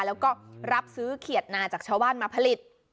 แล้วก็รับซื้อเขียดนาจากชาวบ้านมาผลิต